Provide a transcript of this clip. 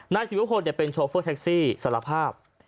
นายศิวพลเป็นโชเฟอร์แท็กซี่สารภาพ